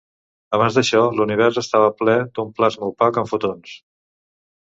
Abans d'això, l'univers estava ple d'un plasma opac amb fotons.